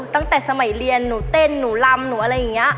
ตั้งแต่สมัยเรียนหนูเต้นหนูรำหนูอะไรอย่างนี้